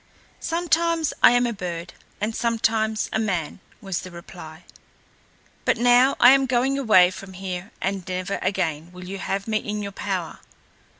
"Sometimes I am a bird and sometimes a man," was the reply; "but now I am going away from here and never again will you have me in your power.